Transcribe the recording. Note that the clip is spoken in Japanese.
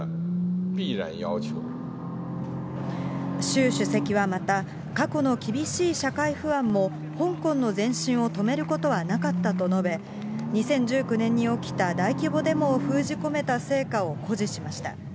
習主席はまた、過去の厳しい社会不安も香港の前進を止めることはなかったと述べ、２０１９年に起きた大規模デモを封じ込めた成果を誇示しました。